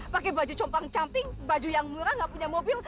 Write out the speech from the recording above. pakai baju compang camping baju yang murah nggak punya mobil